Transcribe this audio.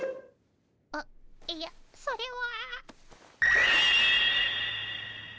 あっいやそれは。